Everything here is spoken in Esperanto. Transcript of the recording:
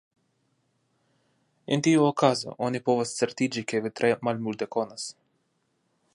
En tiu okazo, oni povas certiĝi ke vi tre malmulte konas.